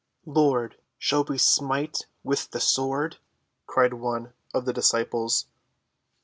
"Lord, shall we smite with the sword?" cried one of the disciples.